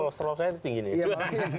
kolesterol saya ini tinggi nih